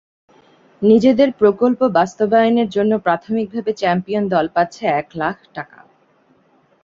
নিজেদের প্রকল্প বাস্তবায়নের জন্য প্রাথমিকভাবে চ্যাম্পিয়ন দল পাচ্ছে এক লাখ টাকা।